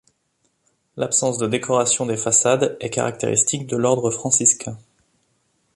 L'absence de décoration des façades est caractéristique de l'ordre franciscain.